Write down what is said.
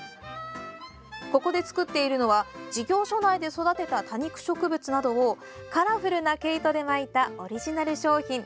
ここで作っているのは事業所内で育てた多肉植物などをカラフルな毛糸で巻いたオリジナル商品。